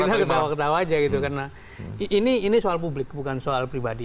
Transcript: saya ketawa ketawa aja gitu karena ini soal publik bukan soal pribadi